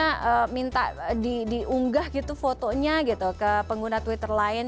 misalnya minta diunggah gitu fotonya gitu ke pengguna twitter lain